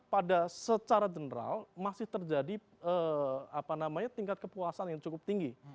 pada secara general masih terjadi tingkat kepuasan yang cukup tinggi